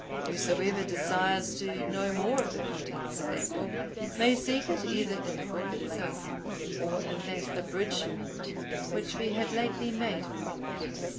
Whosoever desires to know more of the contents of that book, may seek it either in the book itself, or in that abridgement which we have lately made from it.